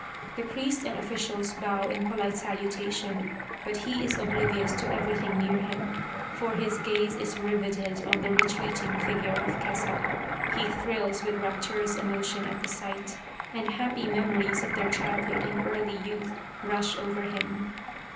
The priest and officials bow in polite salutation, but he is oblivious to everything near him, for his gaze is riveted on the retreating figure of Kesa. He thrills with rapturous emotion at the sight, and happy memories of their childhood and early youth rush over him.